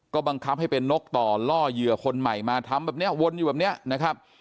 ก็บังคับให้เป็นนกต่อล่อเหยื่อคนใหม่มาทำแบบนี้วนอยู่แบบนี้นะครับ